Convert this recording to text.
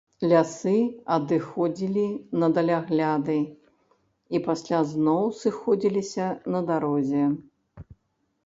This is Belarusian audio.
Лясы адыходзілі на далягляды і пасля зноў сыходзіліся на дарозе.